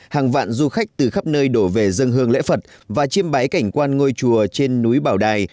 hàng vạn du khách từ khắp nơi đổ về dân hương lễ phật và chiêm bái cảnh quan ngôi chùa trên núi bảo đài